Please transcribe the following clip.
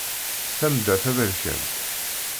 Tamda taberkant.